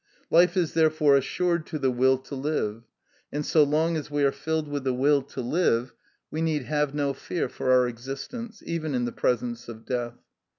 Life is, therefore, assured to the will to live; and so long as we are filled with the will to live we need have no fear for our existence, even in the presence of death.